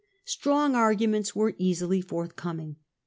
Strong arguments were easily forthcoming.